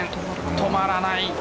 止まらない。